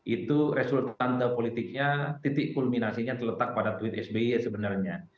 itu resultante politiknya titik kulminasinya terletak pada tweet sby sebenarnya